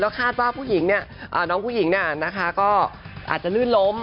แล้วคาดว่าน้องผู้หญิงก็อาจจะลืนล้ม